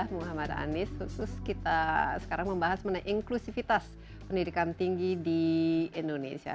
muhammad anies khusus kita sekarang membahas mengenai inklusivitas pendidikan tinggi di indonesia